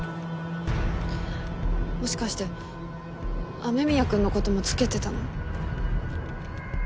もしかして雨宮くんの事もつけてたの？